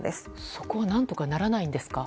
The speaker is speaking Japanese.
そこを何とかならないんですか？